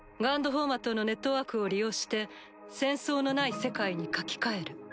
フォーマットのネットワークを利用して戦争のない世界に書き換える。